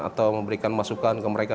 atau memberikan masukan ke mereka